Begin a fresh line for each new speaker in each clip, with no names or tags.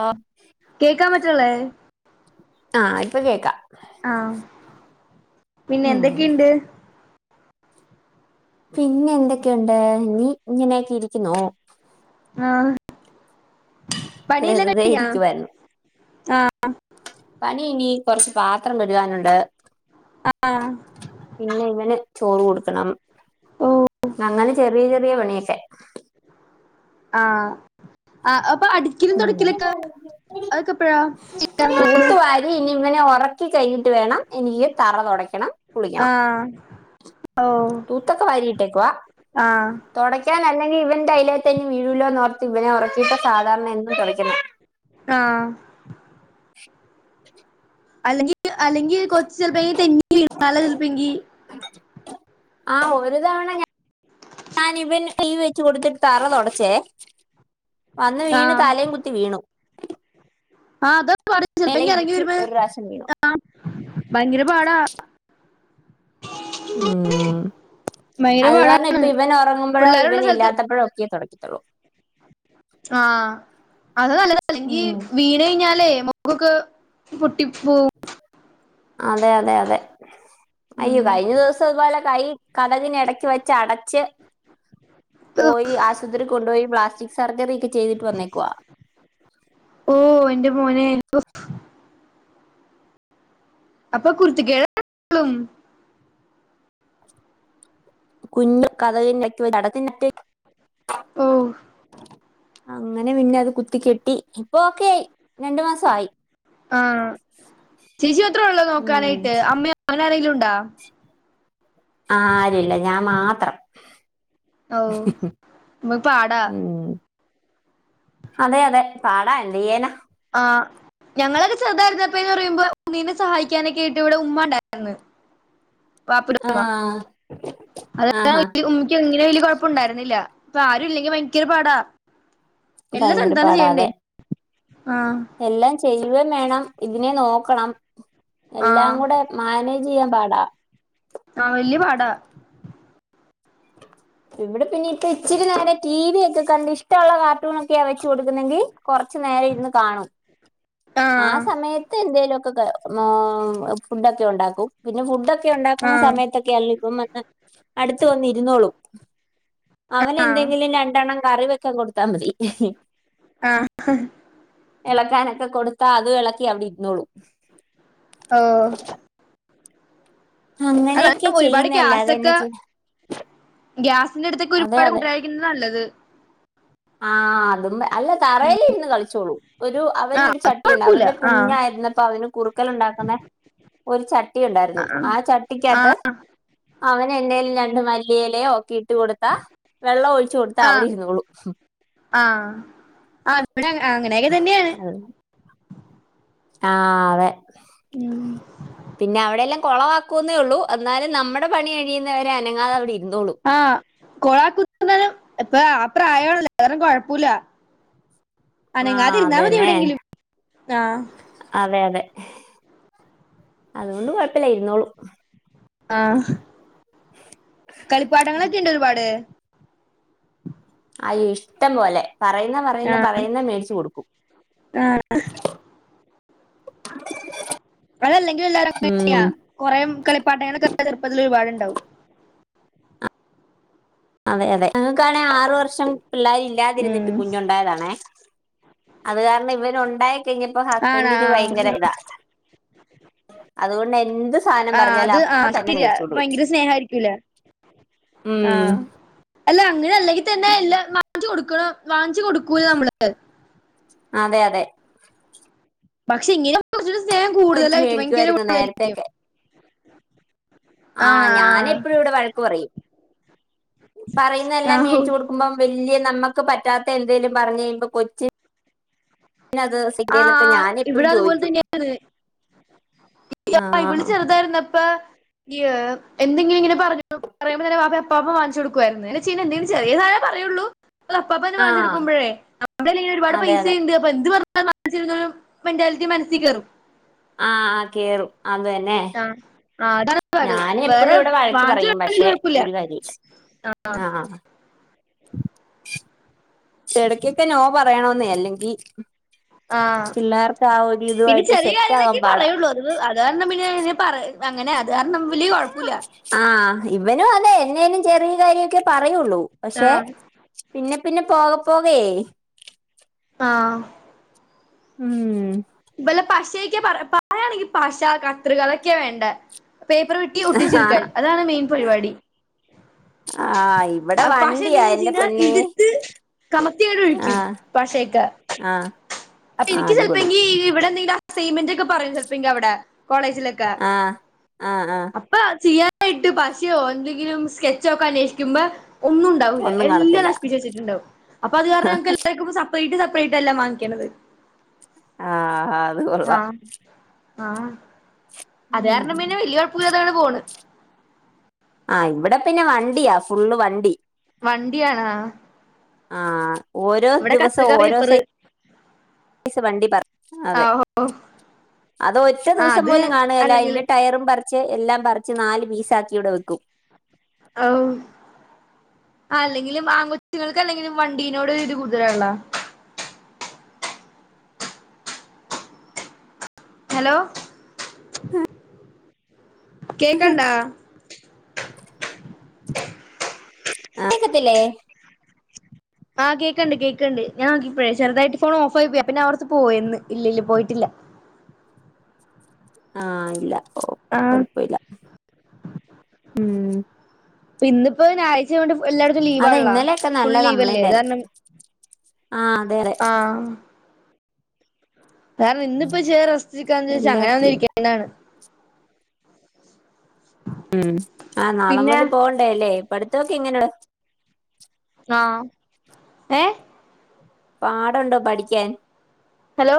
ആഹ്
കേക്കാൻ പറ്റുള്ളേ
ആഹ ഇപ്പൊ കേക്കാം
ആഹ പിന്നെ
ഉം
എന്തൊക്കെയുണ്ട്
പിന്നെ എന്തൊക്കെയുണ്ട് നീ ഇങ്ങനെയക്കെ ഇരിക്കുന്നോ
ആഹ
വെറുതെ എനിക്ക് വരുന്നു
ആ
പണി ഇനി കൊറച്ച് പാത്രം കഴുകാനുണ്ട്
ആ
പിന്നെങ്ങനെ ചോറ് കൊടുക്കണം
ഓ
അങ്ങനെ ചെറിയ ചെറിയ പണിയൊക്കെ [inaudible]
ആഹ ആ അടിക്കലും തുടക്കലൊക്കെ അതൊക്കെ എപ്പഴാ ചെയ്യാ നിങ്ങള്
തൂത്തു വാരി ഇനി ഇങ്ങനെ ഉറ ക്കി കഴഞ്ഞിട്ട് വേണം എനിക്ക് തറ തുടയ്ക്കണം
ആ
കുളിക്കണം
ഓ
തൂത്തൊക്കെ വാരിയിട്ടേക്കുവ
ആ
തുടക്കാന അല്ലെങ്കിൽ ഇവന്റെ അയ്ലേ തന്നെ വീഴൂല്ലോർത്ത് ഇവനെ ഉറക്കിയിട്ട സാധാരണ എന്നും തുൊയ്ക്കണം
ആഹ
[inaudible]
അല്ലെങ്കിൽ അല്ലെങ്കിൽ കൊ ച്ച് ചെല്പങ്കി തെന്നി വീണാലോ ചെല്പങ്കി
ആ ഒരു തവണ ഞാനിബൻ ഈവ് വെച്ച് കൊടുത്തിട്ട് തറ തുടച്ചേ വന്ന്
ആ
വീണ് താലേം കുത്തി വീണു
ആഹ അതെ ചപ്പോ
എല
ഇറങ്ങി
ഇടിച്ചു
വരുമ്പ
ഒരു പ്രാവശ്യം വീണു
ആ ഭയങ്കര പാടാ
ഉം
ഭയങ്കര
അത് കാരണം
പാടാണ്
ഇപ്പ ഇവൻ ഒറങ്ങുമ്പോഴോ ഇവൻ
പിള്ളേരുള്ള
ഇല്ലാത്തപ്പോഴോ ഒക്കെ തൊട് തൊള്ളൂ
ആഹ് അത് നല്ലതാ അല്ലെങ്കി
ഉം
വീണ് കഴിഞ്ഞാലേ മൊ കൊക്കെ പു ടിപ്പൂം
അതെ അതെ അതെ അയ്യോ കഴിഞ്ഞ ദിവസം ഇത്പോലെ കൈ കതകിനെടയ്ക്ക് വെച്ചട ച്ച് പോയി ആശ്വത്രി കൊണ്ടോയി പ്ലാസ്റ്റിക് സർജറിക്കെ ചെയ്തിട്ട് വന്നേക്കുവാ
ഫ് അപ്പൊ കുർത്തക്കേ [unintelligible]
കുഞ്ഞു കതകിന്നെട [unintelligible]
ഓ
അങ്ങനെ പിന്നെ അത് കുത്തി കെട്ടി ഇപ്പൊക്കെയി
ആഹ് ശിശു അത്രേ ഒള്ളോ
ഉം
നോക്കാനായിട്ട് അമ്മെയോ റീലുണ്ടോ
ആ ആരുല്ല ഞാൻ മാത്രം
ഓ മ്പ പാടാ
ഉം അതെ അതെ പാടാ എന്തെയ്യാന
ആ് ഞങ്ങളക്കെ ചെറുതായിരുന്നപ്പന്ന് പറയുമ്പോ ഉണ്ണീനെ സഹായിക്കാനൊക്കേയ്ട്ട് ഇവിടെ ഉമ്മ ഉണ്ടാരിന്ന് പാപ്പ
ആഹ്
അത
ആഹാ
ഉമ്മിക്ക് ഇങ്ങനെ വല്യ കൊഴപ്പൊണ്ടായിരുന്നില്ല ഇപ്പൊ ആരും ഇല്ലെങ്കിൽ ഭയ്ങ്കര പാടാ എല്ലാം
ഭയങ്കര
തന്നെത്താനെ
പാടാ
ചെയ്യണ്ടേ
അതെ
ആഹ്
എല്ലാം ചെയ്യുവെ വേണം ഇതിനെ നോക്കണം എല്ലാം
ആഹ്
കൂടെ മാനേജ് ചെയ്യാൻ പാടാ
ആഹ് വല്യ പാടാ
ഇവിടെ പിന്നെ ഇപ്പ ഇച്ചിരി നേരം ടി വി ഒക്കെ കണ്ട് ഇഷ്ടൊള്ള കാർട്ടൂൺ ഒക്കെയ വെച്ചു കൊടുക്കുന്നെങ്കിൽ കൊറച്ചു നേരം ഇരുന്ന് കാണും ആ
ആഹ്
സമയത്ത് എന്തേലൊ ഓ ഫുഡൊക്കെ ഒണ്ടാക്കും പിന്നെ ഫുഡ്ഡൊക് ക്ക ഒണ്ടാക്കുന്ന
ആഹ്
സമയത്തൊക്കെ അല്ലെ അപ്പം വന്ന് അടുത്ത് വന്നിരുന്നോളും അവൻ
ആഹ്
എന്തെങ്കിലും രണ്ടെണ്ണം കറി വെ ക്ക കൊടുത്താ മതി
ആഹ്
ഇളക്കാനൊക്കെ കൊടുത്ത് അത് വിളക്കി അവിടെ ഇന്നോളും
ആഹാ
അങ്ങനെയൊക്കെ
ഒരുപാട്
ചെയ്യുന്നല്ലാതെ എന്നാ ചെയ്യും
ഗ്യാസ് [unintelligible] ഒരുപാട് [unintelligible] നല്ലത്
ആ അതും അല്ല തറയില് ഇരുന്ന് കളിച്ചോളും ഒരു അവന്
ആഹ്
ഒരു
അത്
ചട്ടിയുണ്ട്
കൊഴപ്പൂല്ല
അവന്റെ
ആഹ്
കുഞ്ഞായിരുന്നപ്പോ അവന് കുറുക്കല് ഉണ്ടാക്കുന്ന ഒരു ചട്ടി ഉണ്ടായിരുന്നു ആ ചട്ടിക്കാത്ത് അവൻ എന്തേലും രണ്ട് മല്ലിഇലയോ [unintelligible] വെള്ളം ഒഴിച്ചു കൊടുത്താ അവിടെ ഇരുന്നോളും
ആഹാ ആ ഇവിടെ അങ്ങനെയൊക്കെ തന്നെയാണ്
ആഹാ അതെ
ഉം
പിന്നെ അവിടെല്ലാം കൊളവാക്കുന്നേ ഉള്ളൂ എന്നാലും നമ്മുടെ പണി കഴിയുന്നവരെ അനങ്ങാതെ അവിടെ ഇ
ആ കൊളാ [unintelligible] ഇപ്പൊ ആ പ്രായാണല്ലോ [unintelligible] കൊഴപ്പില്ലാ
ആഹ്
അനങ്ങാതിരുന്നാൽ മതി
അതന്നെ
എവിടെങ്കിലും ആ
അതെ അതെ അതുകൊണ്ട് കുഴപ്പില്ല ഇരുന്നോളും
ആ കളിപ്പാട്ടങ്ങളൊക്കെ ഉണ്ടോ ഒരുപാട്
[unintelligible] ഇഷ്ടം പോലെ പറയുന്ന പറയുന്ന പറയുന്ന മേടിച്ചു കൊടുക്കും
ആ അതല്ലെങ്കിൽ എല്ലാവരും അങ്ങനെതന്നെയാ
ഉം
കുറേ കളിപ്പാട്ടങ്ങളൊ ചെറുപ്പത്തിൽ ഒരുപാടുണ്ട്
അതെ അതെ ഞങ്ങൾക്കാണെ ആറുവർഷം പിള്ളാര്
ഉം
ഇല്ലാതിരുന്നിട്ട് കുഞ്ഞുണ്ടായതാണേ അത് കാരണം ഇവന് ഉണ്ടായി [unintelligible] കഴിഞ്ഞപ്പോ
ആണാ
ഹസ്ബൻഡിന്
ആഹ്
ഭയങ്കര ഇതാ അതുകൊണ്ട് എന്ത് സാധനം
ആഹ്
പറഞ്ഞാലും
അത്
അപ്പം
ആഹ്
തന്നെ മേടിച്ചോണ്ട്
ഭയങ്കര
വരും
സ്നേഹായിരിക്കൂലേ
ഉം
ആഹ് അല്ല അങ്ങനെ അല്ലെങ്കി തന്നെ എല്ലാം വാങ്ങിച്ചു കൊടുക്കൂ വാങ്ങിച്ചു കൊടുക്കെ നമ്മള്
അതെ അതെ
പക്ഷെ ഇങ്ങനെ [unintelligible]
വെച്ച്
കൂടുതലായിരിക്കും ഭയങ്കര
മേടിക്വായിരുന്നു നേരത്തേ
കൂടുതലായിരിക്കും
ഒക്കെ. ആ
ആണാ
ഞാനെപ്പഴും ഇവടെ വഴക്ക് പറയും. പറയുന്നെല്ലാം
ആഹോ
മേടിച്ചു കൊടുക്കുമ്പം വെല്യേ നമ്മക്ക് പറ്റാത്ത എന്തേലും പറഞ്ഞ് കയുമ്പോ കൊച്ച്
ആ ആ
ഞാൻ
ഇവിടെ
എപ്പോഴും
അതുപോൽ
ചോദിക്കും
തന്നെയാണ്
ആ
[unintelligible] ഇവള് ചെറുതായിരുന്ന പ്പ യ്യ് എന്തെങ്കിലും ഇങ്ങനെ പറഞ്ഞു പറയുമ്പോ തന്നെ വാപ്പ അപ്പാ അപ്പ വാങ്ങിച്ചു കൊടുക്കായിരുന്ന്. ച്ചി എന്തെങ്കിലും ചെറിയതായേ പറയുള്ളൂ. അപ്പാപ്പന്നെ
ആ
വാങ്ങിച്ചെടുക്കുമ്പോഴേ അവന്റെയ്യില് ഒരുപാട്
അതെ
പൈസ
അതെ
ഇണ്ട് അപ്പ എന്ത് പറ [unintelligible] മെന്റാലിറ്റി മനസ്സി കേറും.
ആ കേറും അതേന്നെ
ആ ആ അതാണ്
ഞാന് എപ്പഴും
വേറെ
ഇവടെ വഴക്ക്
വാങ്ങിച്ചു
പറയും.
കൊടുക്കണേല്
പക്ഷേ
കുഴപ്പമില്ല
ഒരു കാര്യം ഇല്ല. ആ ആഹ എടയ്ക്കൊക്കെ നോ പറയണോന്നേ. അല്ലെങ്കി
പിന്നെ
ഇതുമായിട്ട്
ചെറിയ
സെറ്റ് ആകാൻ
കാര്യങ്ങളൊക്കെ
പാടാ
പറയുള്ളൂ. അത് അത് കാരണം പിന്നെ പറ അങ്ങനെ അ അത് കാരണം വല്യേ കൊഴപ്പൂല്ല.
ആഹ് ഇവനും അതെ എന്നേലും ചെറിയ കാര്യ ഒക്കെ പറ പറയുള്ളൂ പക്ഷേ
ആ
പിന്നെ പിന്ന പോക പോകേ
ആ
ഉം
ഇവള് പശയൊക്കെ പറ പറയാണെങ്കി പശ, കത്രിക അതൊക്ക്യ വേണ്ടേ. പേപ്പറ് വെട്ടി ഒട്ടിച്ചെടുക്കൽ
ആഹ്
അതാണ് മെയിൻ പരുവാടി.
ആഹ് ഇവിടെ വണ്ടിയാ
പശേന്താറ്യോ
എന്റെ
ചെയ്യണ്
പൊന്നേ
ഇട്ത്ത് കമത്തിങ്ങ്ട് ഒഴിക്കും.
ആഹ്
പശേക്കേ
ആഹ്
അപ്പ
ആഹ്
എനിക്ക് ചെലപ്പ
അടിപൊളി
എങ്കി [unintelligible] ഇവിടെ എന്തെങ്കി അസൈൻമെന്റൊക്കെ പറയും. ചെലപ്പോ ഇനിക്ക് അവടെ കോളേജിലൊക്കെ
ആഹ് ആഹ് ആഹ്
അപ്പ ചിയ്യാ ആയിട്ട് പശയോ എന്തെങ്കിലും സ്കെച്ചോക്ക അന്വേഷിക്കുമ്പോ ഒന്നും ഉണ്ടാവൂല്ല.
ഒന്നും
എല്ലാം
കാണത്തില്ല
നശപ്പിച്ച് വെച്ചിട്ടുണ്ടാവും. അപ്പോ അത് കാരണം ഞങ്ങക്ക്‌ എല്ലാർക്കും പ്പ സപ്പറേറ്റ് സ ട്ടെല്ലാം വാങ്ങിക്കണത്.
ആ ഹാ ത് കൊള്ളാം
ആ അത് കാരണം
ഉം
പിന്നെ വല്യേ കൊഴപ്പൂല്ല ല്ലാതെ പോണ്
ആ ഇവടെ പിന്നെ വണ്ടിയാ. ഫുള്ള് വണ്ടി.
വണ്ടിയാണാ?
ആ ഓരോ ദിവസം ഓരോ സൈ
പേപ്പറ്
സ് വണ്ടി പറ
ആ
അതെ അത് ഒറ്റ
ആ
ദിവസം
അത്
പോലും കാണുകേല്ല. അതിന്റെ
അല്ലെങ്കിലും
ടയറും പറിച്ച് എല്ലാം പറിച്ച് നാല് പീസാക്കി ഇവിടെ വെക്കും
ആ അല്ലെങ്കിലും ആ കൊൊച്ചുങ്ങൾക്ക് അല്ലെങ്കിലും വണ്ടീനോട് ഇത് കൂടുതല ഉള്ള ഹലോ കേക്കണ്ടാ
കേക്കത്തില്ലേ
ആഹ് കേക്കണ്ട് കേക്കണ്ട് ഞാൻ നോക്കി ഇഴേ ചെറുതായിട്ട് ഫോൺ ഓഫായി പോയി പിന്നെ അവിടുത്ത് പോയിന്ന് ഇല്ലല്ല പോയിട്ടില്ല
ആഹ ഇല്ല ഓ
ആ
കൊഴപ്പമില്ല ഉം
ഇന്ന ഇപ്പോ ഞായറാ്ച വേണ്ട എല്ലായിടത്തും
അതെ
ലീവള്ള
ഇന്നലെയൊക്കെ
ഫുൾ
നല്ല കംപ്ലൈന്റ് ആയിരുന്നു
ലീവ്ല്ലേതാരണം
ആ അതെ അതെ
ആ കാരണം ഇന്നിപ്പോ ചേറ ാന്ന് ചദാ അങ്ങനെ
എല്ലായിടത്തും ഉണ്ട്
വന്നിരിക്കേതാണ്
ഉം ആഹ് നാളെ
പിന്നെ
മുതൽ പോകണ്ടേ അല്ലേ പഠത്തൊക്കെ എങ്ങനെയ
ആ ഏ
പാടുണ്ടോ പഠിക്കാൻ
ഹലോ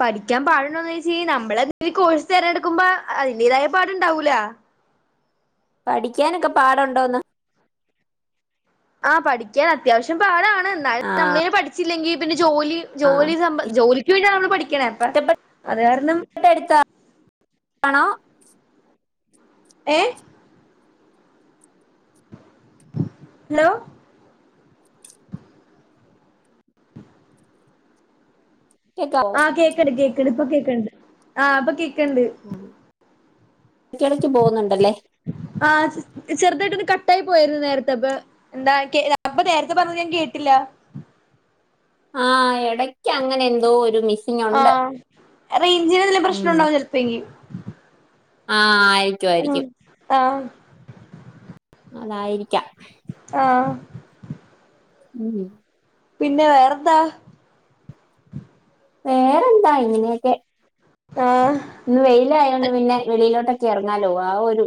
പഠിക്കാൻ പാടണ്ടന്ന് വെച്ച ക നമ്മളെന്ത കോഴ്സ് തിരഞ്ഞെടുക്കുമ്പോ അതിന്റേതായ പാടുണ്ടാവൂല
പഠിക്കാനൊക്കെ പാടുണ്ടോന്ന്
ആ പഠിക്കാൻ അത്യാവശ്യം പടാണ്
ആ
നമ്മളെ പഠിച്ചില്ലെങ്കിൽ ജോലി
ആ
ജോലി സം ജോലിക്ക് വേണ്ടിയ ണ അപ്പ
ഇഷ്ടപ്പെട്ട
അത് കാരണം
ആണോ
ഏഹ ഹലോ
കേക്കാവോ
ആഹ് കേക്കട്ട കേക്ക പ്പൊ കേക്കണ്ട് ആ് അപ്പ കേ കണ്ട്
ഇടച്ചടച്ച പോകുന്നുണ്ടല്ലേ
തട്ടായി പോയിരുന്നു നേരത്തെപ്പൊ എന്താ അപ്പൊ നേരത്തെ പറഞ്ഞ ഞാൻ കേട്ടില്ല
ആഹ ഇടയ്ക്ക് അങ്ങനെ എന്തോ ഒരുമി
ആ റേഞ്ചിന്ല്ല പ്രശ്ന ഉണ്ടാവും ചിലപ്പോ എങ്കക്ക്
ആഹ ആ ആയിരിക്കും
ആ
ആയിരിക്കും
ആഹ
അതായിരിക്കാം
ആ
ഉം
പിന്നെ വേറെന്താ
വേറെന്താ ഇങ്ങനെയൊക്കെ
ആഹ്
ഇന്ന് വെയിലായോണ്ട് പിന്നെ വെളിയിലോട്ടൊ ക്കെ ഇറങ്ങാലോ ആ ഒരു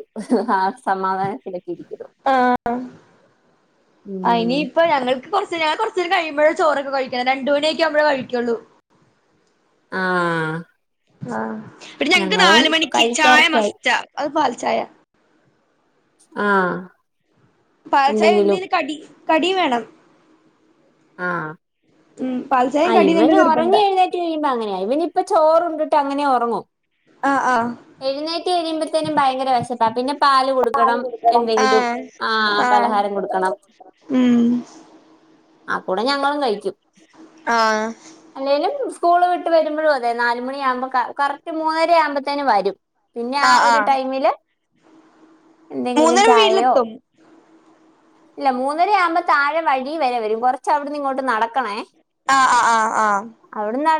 ആ സമാധാനത്തിലൊക്കെ ഇരിക്കുന്നു
ആ
ഉം
ഇനിയിപ്പ ഞങ്ങൾക്ക് കുറച്ച് ഞൻ കൊറച്ചേരം കഴിയ- മ്പഴെ ചോറൊക്കെ കഴിക്കാണ് രണ്ട് മണിയൊക്കെ ആവുമ്പ കഴിക്കുള്ളൂ
ആഹ
ആഹ പിന്നെ ഞങ്ങക്ക് നാല് മണിക്ക് ചായ
കഴിക്കാറൊക്കെയായി
മസ്റ്റാ അത് പാ ചായ
ആഹ
പാൽ ച്ചായ എന്തേലും കടി കടിയ്യും വേണം
ആഹ
ഉം
ആ
പാൽച്ചായയും കടിയും
ഇവന്
ഞങ്ങക്ക്
ഉറങ്ങി
നിർബന്ധാ
എഴുന്നെറ്റു കഴിയുമ്പോ അങ്ങനെയ ഇവന് ഇപ്പൊ ചോറുയുണ്ടിട്ട് അങ്ങനെ ഉറങ്ങും
ആഹ് ആഹ്
എഴുന്നേറ്റ് കഴിയുമ്പത്തേനും ഭയങ്കര വിശപ്പാ പിന്നെ പാല് കൊടുക്കണം എന്തെങ്കിലും
ആഹ്
ആഹ
ആഹ്
പലഹാരം കൊടുക്കണം
ഉം
ആ കൂടെ ഞങ്ങളും കഴി
ആഹ
സ്കൂള് വിട്ട് വരുമ്പോഴും അതെ നാല് മണിയാമ്പോ ക കറക്റ്റ് മൂന്നര ആവുമ്പത്തേനും വരും പിന്നെ ആ
ആഹ്
ഒരു
ആഹ്
ടൈമില് എന്തെങ്കിലും
മൂന്നര
ചായയോ
വീട്ടിലെത്തും
ഇല്ല മൂന്നര ആവുമ്പോ താഴെ വഴി വരെ വരും കുറച്ച് അവിടന്ന് ഇങ്ങോട്ട് നടക്കണേ
ആഹ ആഹ് ആഹ് ആഹ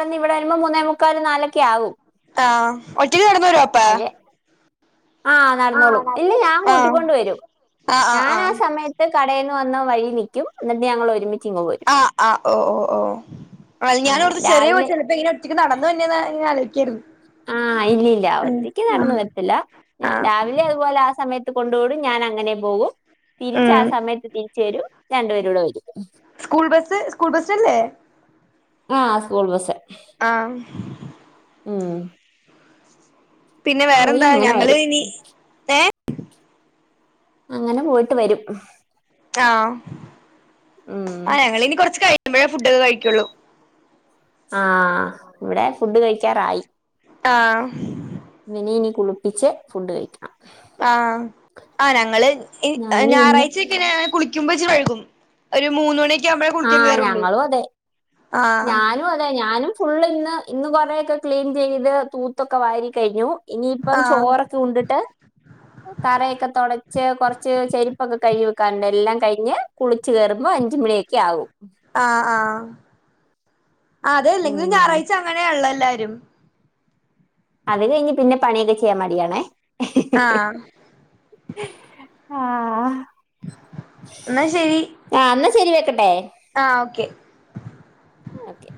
അവിടെന്ന് ഇവിടെവരുമ്പോ മൂന്നെ മുക്കാൽ നാലൊക്കെ ആവും
ആഹ ഒറ്റക്ക് കടന്ന വരു പ്പ
ആഹ നടന്നോളും ഇല്ല ഞാൻ
ആഹ്
കൂട്ടിക്കൊണ്ട് വരും
ആഹ് ആഹ്
ഞാൻ ആ
ആഹ്
സമയത്ത് കടയിൽ വന്ന വഴിയി നിൽക്കും എന്നിട്ട് ഞങ്ങൾ ഒരുമി
ആ ആ ഓ ഓ ഓ അ ഞാൻ
അങ്ങനെ
ഓർത്തു ചെറിയ
രാവിലെ
കൊച്ചല്ലേ ഇപ്പൊ എങ്ങനെ ഒറ്റക്ക് നടന്നു വരുന്നങ്ങനെ ആലോയിക്ക ക്കും
ആ ഇല്ലല്ല ഒറ്റയ്ക്ക് നടന്ന വരത്തില്ല ഞൻ
ആഹ്
രാവിലെ അതുപോലെ ആ സമയത്ത് കൊണ്ട് വിടുംഞാൻ അങ്ങനെ പോവും തിരിച്ച് ആ
ഉം
സമയത്ത് തിരിച്ച് വരും രണ്ടുപേരൂടെ വരും
സ്കൂൾ ബസ് സ്കൂൾ ബസ്സല്ലേ
ആ സ്കൂൾ ബസ്സ്
ആഹ് പിന്നെ
പോയി
വേറന്താ
അങ്ങനെ
ഞങ്ങള്
വരും
ഇനി ഏ
അങ്ങനെ പോയിട്ട് വരും
ആഹ്
ഉം
ആ ഞങ്ങള് ഇനി കൊറച്ച് കഴി ഴിയുമ്പഴാ ഫുഡൊക്കെ കഴിക്കൊള്ളൂ
ആ ഇവിടെ ഫുഡ്ഡ് കഴിക്കാറായി
ആഹ്
മിനി ഇനി കുള് ളിച്ച് ഫുഡ്ഡ് കഴിക്കും
ആ അ ഞങ്ങള് ഇ
ഞാനും ഇന്ന്
ഞായറാഴ്ചൊക്കെണ് ങനെ കുളിക്കുമ്പോ ച്ചിരി വഴ് കും ഒരു മൂന്ന് മണിക്
ആ ഞങ്ങളും അതെ
ആഹ്
ഞാനും അതെ ഞാനും ഫുള്ള് ഇന്ന് ഇന്ന് കൊറെഒക്കെ ക്ലീൻ ചെയ്ത് തൂത്തൊക്കെ വാരി കഴിഞ്ഞു ഇനിയിപ്പം
ആഹ്
ചോറൊക്കെ ഉണ്ടിട്ട് തറയൊക്കെ തൊടച്ച് കൊർച്ച് ചെരുപ്പൊക്കെ കഴുകി വെക്കാൻ ഉണ്ട് എല്ലാം കഴ് ഞെ കുളിക് കേറുമ്പോ അഞ്ച് മണി ആയി
ആ ആ അതെ എല്ലെങ്കിലും
ഉം
ഞായറാഴ്ച്ച അങ്ങനെ ആണല്ലോ എൽ ല്ലാരും
അത് കഴിഞ്ഞ് പിന്നെ പണിയൊകെ ചെയ്യാൻ മടിയാണേ
ആ
ആ ആഹ്
ന്നാ ശെരി
ക്കട്ടേ
ആ ഓക്കെ
ഓക്കെ